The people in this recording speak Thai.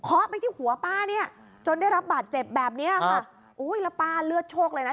ไปที่หัวป้าเนี่ยจนได้รับบาดเจ็บแบบเนี้ยค่ะอุ้ยแล้วป้าเลือดโชคเลยนะ